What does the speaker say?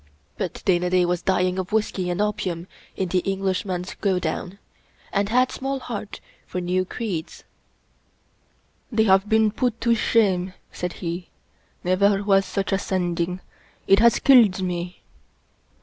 But Dana Da was dying of whisky and opium in the Englishman's go down, and had small heart for new creeds. " They have been put to shame," said he. " Never was such a Sending. It has killed me."